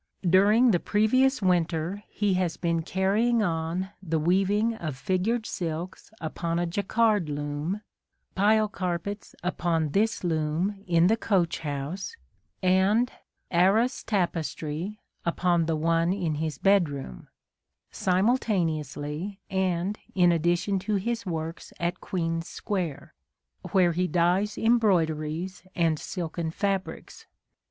During the previous winter he has been carrying on A DAY WITH WILLIAM MORRIS. the weaving of figured silks upon a Jacquard loom, pile carpets upon this loom in the coach' house, and arras tapestry upon the one in his bed room, — simultaneously and in addition to his works at Queen's Square, where he dyes embroideries and silken fabrics.